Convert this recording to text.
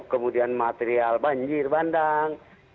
kemudian material banjir bandang